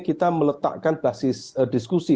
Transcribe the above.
kita meletakkan basis diskusi